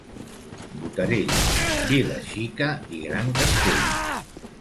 Botarell, vila xica i gran castell.